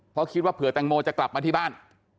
เพราะคิดว่าเผื่อแตงโมจะกลับมาที่บ้าน